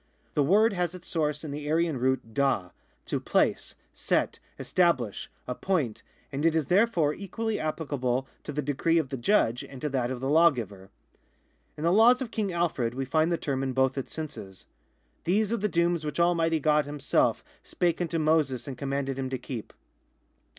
The word has its source in the Aryan root DHA, to place, sot, establish, appoint, and it is therefore equally ajiplicablo to the decree of the judge and to that of the lawgiver. In the laws of King Alfred we find the term in both its senses. " Tlieso are the dooms which Almighty (^od himself spake unto Moses and com manded him to keep."